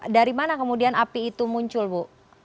dari mana kemudian api itu muncul bu